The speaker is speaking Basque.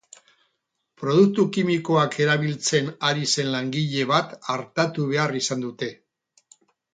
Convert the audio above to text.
Produktu kimikoak erabiltzen ari zen langile bat artatu behar izan dute.